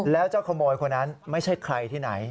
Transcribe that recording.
แล้วเจ้าขโมยคนนั้นไม่ใช่ใครที่ไหน